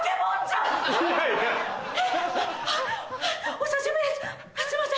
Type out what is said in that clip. お久しぶりです